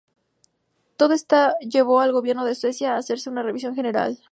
Todo esto llevó al gobierno de Suecia a hacer una revisión general.